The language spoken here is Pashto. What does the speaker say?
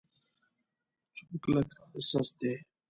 څوک لږ سست دی.